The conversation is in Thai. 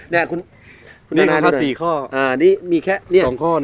เนี้ยคุณนี่ค่ะสี่ข้ออ่านี่มีแค่สองข้อเนี้ยสองข้อ